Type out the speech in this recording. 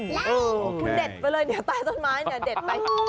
คุณเด็ดไปเลยเดี๋ยวตายส้นไม้เด็ดไป